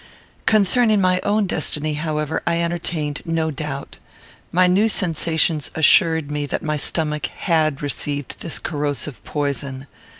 Concerning my own destiny, however, I entertained no doubt. My new sensations assured me that my stomach had received this corrosive poison.